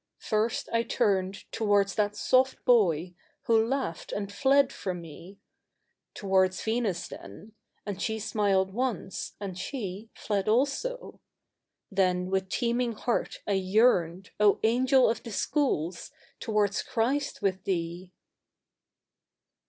First I turned Towards that soft boy, who laughed and fled fro })i me ; Towards Venus then ; and she stniled once, and she Fled also. Then with teeming heai t I yearned, O Angel of the Schools, towards Christ with thee!